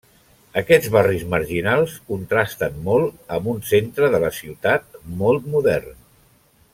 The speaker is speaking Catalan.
Aquests barris marginals contrasten molt amb un centre de la ciutat molt modern.